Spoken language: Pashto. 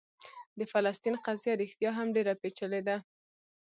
د فلسطین قضیه رښتیا هم ډېره پېچلې ده.